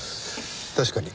確かに。